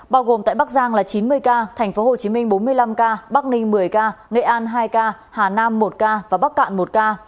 bao gồm tại bắc giang là chín mươi ca tp hcm bốn mươi năm ca bắc ninh một mươi ca nghệ an hai ca hà nam một ca và bắc cạn một ca